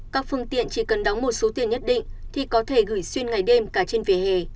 các phương tiện chỉ cần đóng một số tiền nhất định thì có thể gửi xuyên ngày đêm cả trên vỉa hè